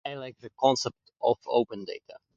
I like the concept of open data.